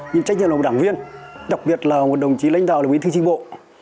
nhưng trách nhiệm là một đảng viên đặc biệt là một đồng chí lãnh đạo là bí thư tri bộ